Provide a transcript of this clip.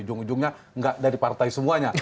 ujung ujungnya nggak dari partai semuanya